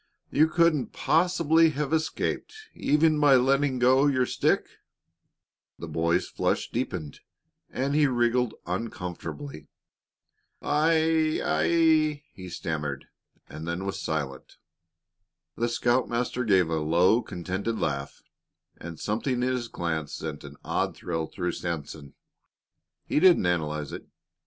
"You couldn't possibly have escaped even by letting go your stick." The boy's flush deepened, and he wriggled uncomfortably. "I I " he stammered, and then was silent. The scoutmaster gave a low, contented laugh, and something in his glance sent an odd thrill through Sanson. He didn't analyze it.